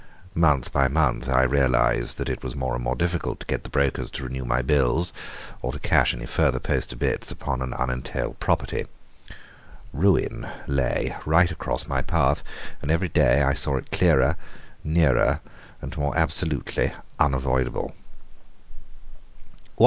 Month by month I realized that it was more and more difficult to get the brokers to renew my bills, or to cash any further post obits upon an unentailed property. Ruin lay right across my path, and every day I saw it clearer, nearer, and more absolutely unavoidable.